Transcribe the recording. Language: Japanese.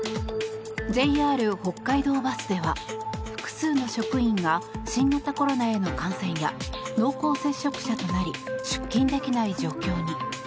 ジェイ・アール北海道バスでは複数の職員が新型コロナへの感染や濃厚接触者となり出勤できない状態に。